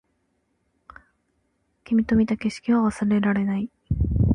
君と見た景色は忘れられない